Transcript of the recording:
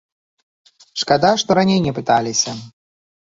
Шкада, што раней не пыталіся.